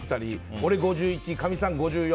俺、５１、かみさん５４。